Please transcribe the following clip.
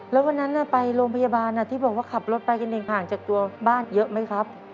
แล้ววันนั้นไปโรงพยาบาลที่บอกว่าขับรถไปกันเองห่างจากตัวบ้านเยอะไหมครับ